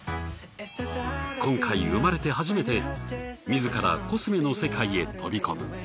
今回生まれて初めて自らコスメの世界へ飛び込む。